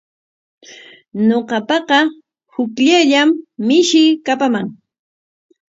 Ñuqapaqa hukllayllam mishii kapaman.